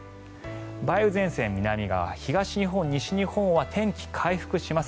梅雨前線、南側東日本、西日本は天気が回復します。